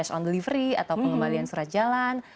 on delivery atau pengembalian surat jalan